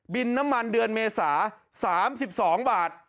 น้ำมันเดือนเมษา๓๒บาท